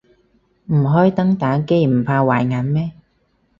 唔開燈打機唔怕壞眼咩